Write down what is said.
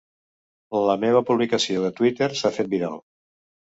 La meva publicació de Twitter s'ha fet viral.